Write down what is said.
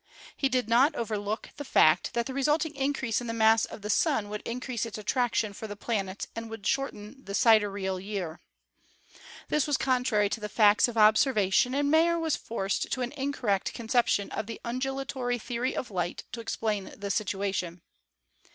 He did not overlook the fact that the resulting increase in the mass of the Sun would in crease its attraction for the planets and would shorten the sidereal year. This was contrary to the facts of ob servation, and Mayer was forced to an incorrect concep tion of the undulatory theory of light to explain the situa tion.